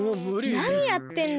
なにやってんだ！